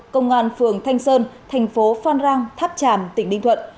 công an phường thanh sơn thành phố phan rang tháp tràm tỉnh ninh thuận